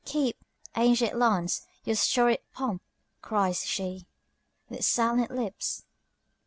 "Keep, ancient lands, your storied pomp!" cries sheWith silent lips.